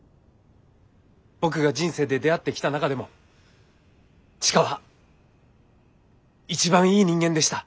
僕が人生で出会ってきた中でも千佳は一番いい人間でした。